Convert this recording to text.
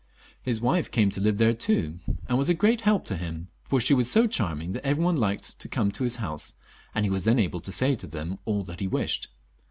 His wife came to live there too, and was agreat help to him, for she was so charming that every one liked to come to his house, and he was then able to say to them all that he wished.